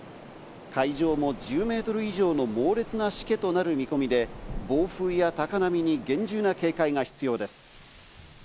海上も１０メートル以上の猛烈なしけとなる見込みで、暴風や高波に厳重な警戒が必要です。